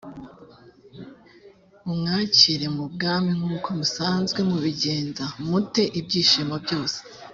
mumwakire b mu mwami nk uko musanzwe mubigenza mu te ibyishimo byose